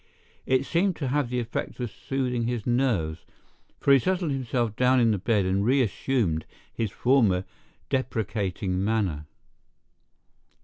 It seemed to have the effect of soothing his nerves, for he settled himself down in the bed and re assumed his former deprecating manner.